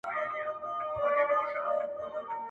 يا سوری کېدنه رامنځته شي